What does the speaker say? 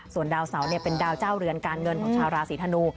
ส่วนดาวเสาเป็นดาวเจ้าเรือนการเงินของชาวราศีธนู